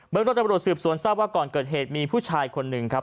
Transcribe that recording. ตำรวจสืบสวนทราบว่าก่อนเกิดเหตุมีผู้ชายคนหนึ่งครับ